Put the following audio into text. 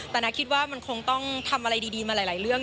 แต่น้าคิดว่ามันคงต้องทำอะไรดีมาหลายเรื่อง